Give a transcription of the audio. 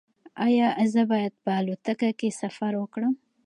ایا زه باید په الوتکه کې سفر وکړم؟